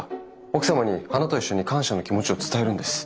奥様に花と一緒に感謝の気持ちを伝えるんです。